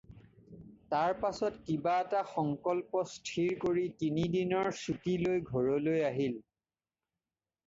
তাৰ পাচত-কিবা এটা সংকল্প স্থিৰ কৰি তিন দিনৰ ছুটী লৈ ঘৰলৈ আহিল।